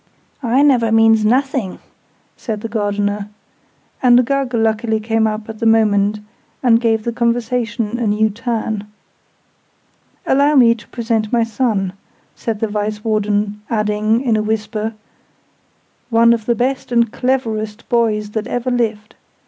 "I never means nothing," said the Gardener: and Uggug luckily came up at the moment, and gave the conversation a new turn. "Allow me to present my son," said the Vice warden; adding, in a whisper, "one of the best and cleverest boys that ever lived!